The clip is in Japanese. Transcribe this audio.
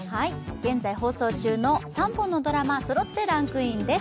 現在放送中の３本のドラマそろってランクインです。